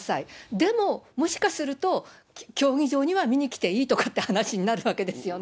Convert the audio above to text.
でも、もしかすると、競技場には見に来ていいとかって話になるわけですよね。